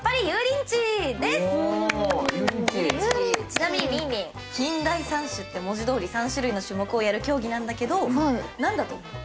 ちなみにりんりん近代３種って文字どおり３種類の種目をやる競技なんだけど何だと思う？